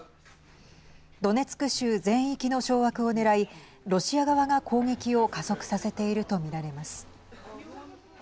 ドネツク州全域の掌握を狙いロシア側が攻撃を加速させていると見られます。